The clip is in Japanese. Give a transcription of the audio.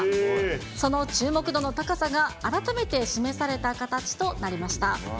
その注目度の高さが改めて示された形となりました。